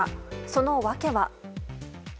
その訳は。